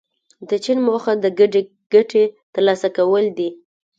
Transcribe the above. د چین موخه د ګډې ګټې ترلاسه کول دي.